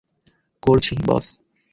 করছি, বস।